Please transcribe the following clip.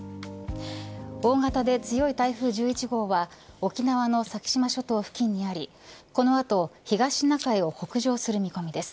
大型で強い台風１１号は沖縄の先島諸島付近にありこの後東シナ海を北上する見込みです。